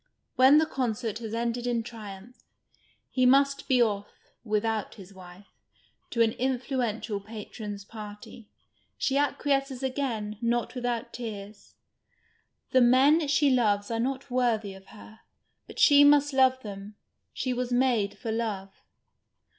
When tiie concert has ended in triumph, he nnist be off (without his wife) to an influential patron's party. She acquiesces again, not without tears. The men she loves arc not worthy of her ; but she must love them, she was made for love.